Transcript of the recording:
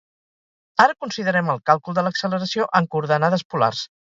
Ara considerem el càlcul de l'acceleració en coordenades polars.